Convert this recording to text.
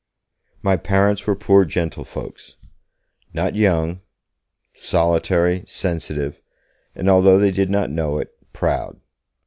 My parents were poor gentlefolks; not young; solitary, sensitive, and although they did not know it, proud.